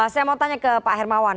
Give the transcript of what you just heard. saya mau tanya ke pak hermawan